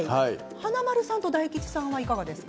華丸さんと大吉さんはどうですか。